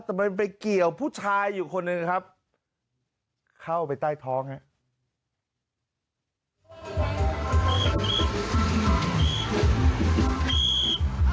แต่มันไปเกี่ยวผู้ชายอยู่คนหนึ่งครับเข้าไปใต้ท้องครับ